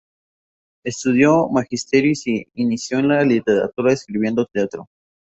Estudió Magisterio y se inició en la literatura escribiendo teatro.